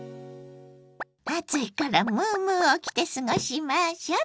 暑いからムームーを着て過ごしましょ！